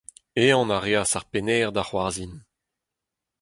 Ehan a reas ar pennhêr da c’hoarzhin.